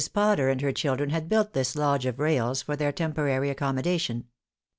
Potter and her children had built this lodge of rails, for their temporary accommodation.